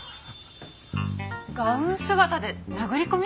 ガウン姿で殴り込み！？